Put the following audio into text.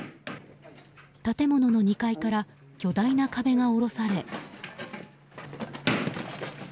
建物の２階から巨大な壁が下ろされ。